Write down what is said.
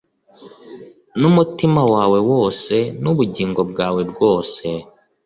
n umutima wawe wose n ubugingo bwawe bwose c